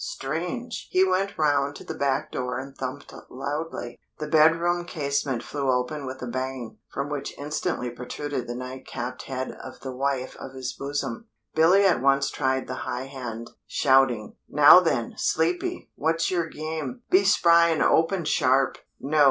Strange! he went round to the back door and thumped loudly. The bed room casement flew open with a bang, from which instantly protruded the night capped head of the wife of his bosom. Billy at once tried the high hand, shouting, "Now then, sleepy, what's yer game? Be spry and open sharp!" No.